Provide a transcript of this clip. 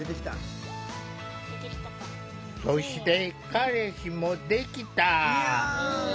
そして、彼氏もできた。